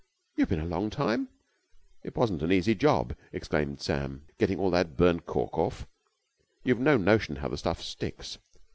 "You've been a long time." "It wasn't an easy job," explained Sam, "getting all that burnt cork off. You've no notion how the stuff sticks.